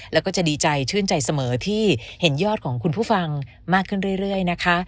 แล้วก็จะดีใจชื่นใจเสมอที่เห็นยอดของคุณผู้ฟังมากขึ้นเรื่อยนะคะ